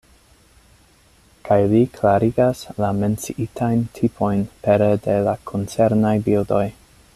Kaj li klarigas la menciitajn tipojn pere de la koncernaj bildoj.